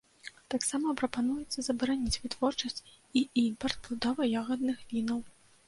Таксама прапануецца забараніць вытворчасць і імпарт пладова-ягадных вінаў.